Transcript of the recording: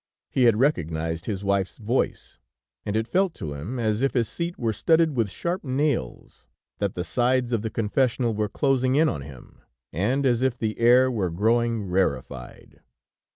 He had recognized his wife's voice, and it felt to him as if his seat were studded with sharp nails, that the sides of the confessional were closing in on him, and as if the air were growing rarified.